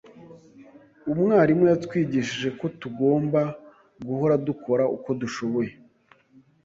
Umwarimu yatwigishije ko tugomba guhora dukora uko dushoboye.